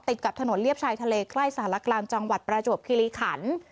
กับถนนเลียบชายทะเลใกล้สารกลางจังหวัดประจวบคิริขัน